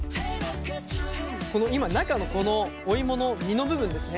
今中のこのお芋の身の部分ですね